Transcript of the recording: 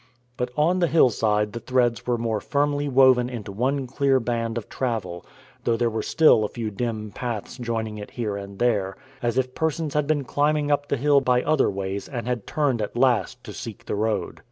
But on the hillside the threads were more firmly woven into one clear band of travel, though there were still a few dim paths joining it here and there, as if persons had been climbing up the hill by other ways and had turned at last to seek the road.